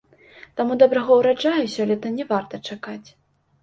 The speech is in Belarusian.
Таму добрага ўраджаю сёлета не варта чакаць.